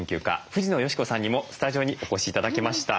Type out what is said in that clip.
藤野嘉子さんにもスタジオにお越し頂きました。